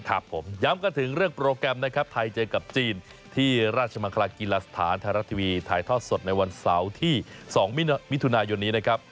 ครับผมย้ำกันถึงเรื่องโปรแกรมนะครับไทยเจอกับจีนที่ราชมังคลากีฬาสถานไทยรัฐทีวีถ่ายทอดสดในวันเสาร์ที่๒มิถุนายนนี้นะครับ